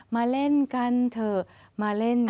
มาเล่นกันเถอะมาเล่น